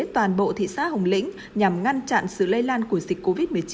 toàn bộ thị xã hồng lĩnh nhằm ngăn chặn sự lây lan của dịch covid một mươi chín